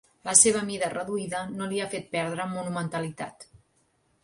La seva mida reduïda no li ha fet perdre monumentalitat.